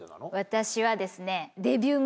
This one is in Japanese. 私はですね。